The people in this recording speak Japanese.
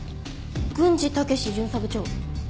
郡司武士巡査部長。